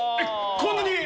こんなに？